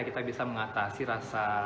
kita bisa mengatasi rasa